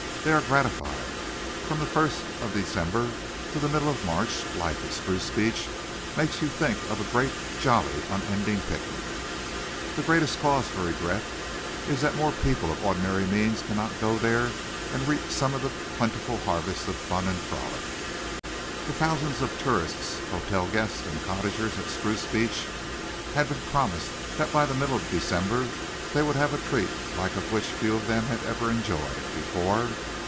They are gratified. From the first of December to the middle of March, life at Spruce Beach makes you think of a great, jolly, unending picnic. The greatest cause for regret is that more people of ordinary means cannot go there and reap some of the plentiful harvest of fun and frolic. The thousands of tourists, hotel guests and cottagers at Spruce Beach had been promised that by the middle of December they would have a treat the like of which few of them had ever enjoyed before.